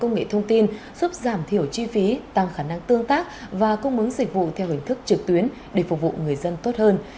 công nghệ thông tin giúp giảm thiểu chi phí tăng khả năng tương tác và cung bướng dịch vụ theo hình thức trực tuyến để phục vụ người dân tốt hơn